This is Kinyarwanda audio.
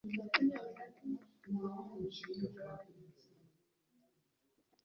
yamuteye gukoresha nabi impano ijuru ryamuhaye yari asanzwe akoresha kubw'ikuzo ry'imana